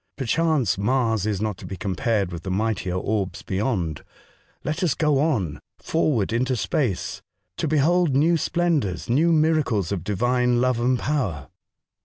Perchance, Mars is not to be compared with the mightier orbs beyond. Let us go on — forward into space to behold new splendours, new miracles of Divine love and power."